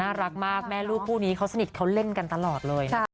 น่ารักมากแม่ลูกคู่นี้เขาสนิทเขาเล่นกันตลอดเลยนะคะ